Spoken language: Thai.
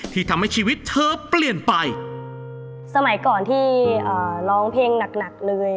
ที่ทำให้ชีวิตเธอเปลี่ยนไปสมัยก่อนที่ร้องเพลงหนักหนักเลย